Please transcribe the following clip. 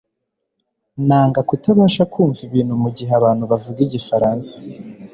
Nanga kutabasha kumva ibintu mugihe abantu bavuga igifaransa